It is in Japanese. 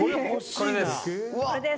「これです」